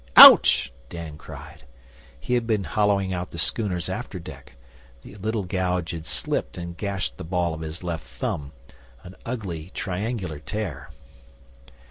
'Ouch!' Dan cried. He had been hollowing out the schooner's after deck, the little gouge had slipped and gashed the ball of his left thumb, an ugly, triangular tear.